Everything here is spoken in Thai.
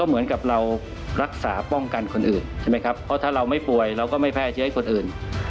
เหมือนกับเรารักษาป้องกันคนอื่นใช่ไหมครับเพราะถ้าเราไม่ป่วยเราก็ไม่แพร่เชื้อให้คนอื่น